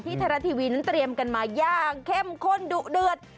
ไทยรัฐทีวีนั้นเตรียมกันมาอย่างเข้มข้นดุเดือด